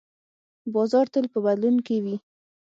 بازار تل په بدلون کې وي.